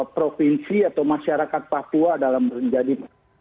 provinsi atau masyarakat papua dalam menjadi